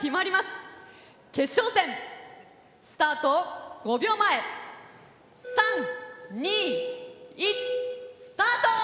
決勝戦スタート５秒前３・２・１スタート！